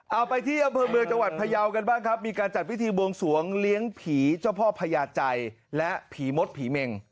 เอาไปที่อำเภอเมืองจังหวัดพยาวกันบ้างครับมีการจัดพิธีบวงสวงเลี้ยงผีเจ้าพ่อพญาใจและผีมดผีเมง